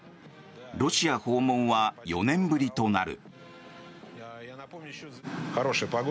ロシア訪問は４年ぶりとなる。